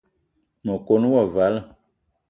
Me kon wo vala